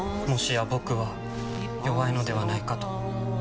もしや僕は弱いのではないかと。